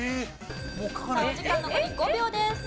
お時間残り５秒です。